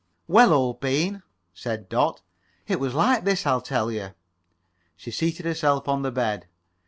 "Well, old bean," said Dot, "it was like this. I'll tell you." She seated herself on the bed.